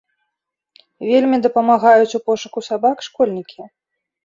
Вельмі дапамагаюць у пошуку сабак школьнікі.